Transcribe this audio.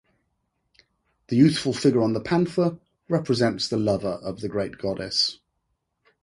The youthful figure on the panther represents the lover of the great goddess.